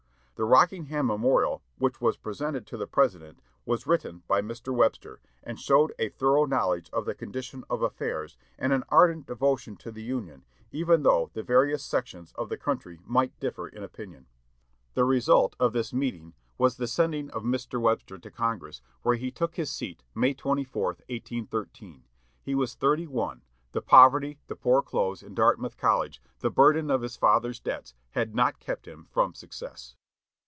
The "Rockingham Memorial," which was presented to the President, was written by Mr. Webster, and showed a thorough knowledge of the condition of affairs, and an ardent devotion to the Union, even though the various sections of the country might differ in opinion. The result of this meeting was the sending of Mr. Webster to Congress, where he took his seat May 24, 1813. He was thirty one; the poverty, the poor clothes in Dartmouth College, the burden of the father's debts had not kept him from success.